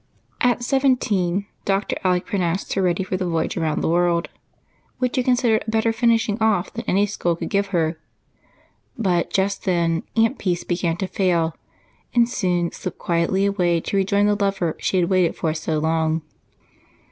At seventeen, Dr. Alec pronounced her ready for the voyage around the world, which he considered a better finishing off than any school could give her. But just then Aunt Peace began to fail and soon slipped quietly away to rejoin the lover she had waited for so long.